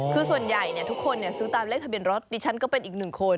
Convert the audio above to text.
คือส่วนใหญ่ทุกคนซื้อตามเลขทะเบียนรถดิฉันก็เป็นอีกหนึ่งคน